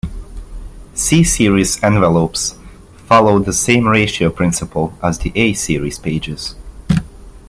C series envelopes follow the same ratio principle as the A series pages.